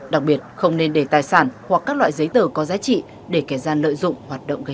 đặc biệt không nên để tài sản hoặc các loại giấy tờ có giá trị để kẻ gian lợi dụng hoạt động gây